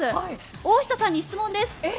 大下さんに質問です。